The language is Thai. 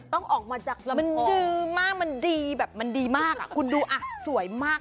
ต้องออกมาจากลำมันดื้อมากมันดีแบบมันดีมากอ่ะคุณดูอ่ะสวยมาก